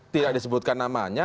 tidak disebutkan namanya